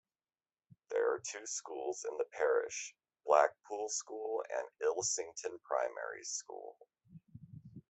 There are two schools in the parish: Blackpool School and Ilsington Primary School.